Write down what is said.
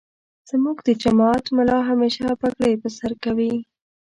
زمونږ دجماعت ملا همیشه پګړی پرسرکوی.